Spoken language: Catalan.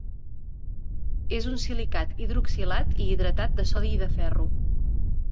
És un silicat hidroxilat i hidratat de sodi i de ferro.